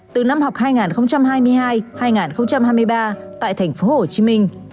từ năm học hai nghìn hai mươi hai hai nghìn hai mươi ba tại tp hcm